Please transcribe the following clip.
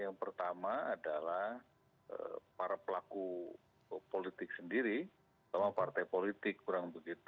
yang punya demokrasi seperti indonesia